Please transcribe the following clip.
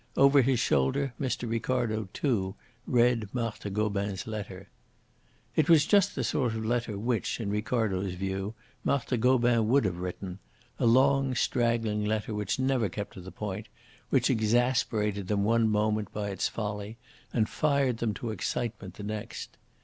Over his shoulder Mr. Ricardo, too, read Marthe Gobin's letter. It was just the sort of letter, which in Ricardo's view, Marthe Gobin would have written a long, straggling letter which never kept to the point, which exasperated them one moment by its folly and fired them to excitement the next.